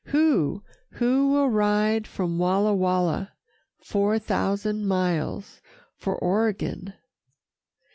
Who, who will ride from Walla Walla, Four thousand miles for Oregon?